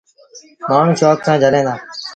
مآڻهوٚݩ شوڪ سآݩ جھليٚن دآ۔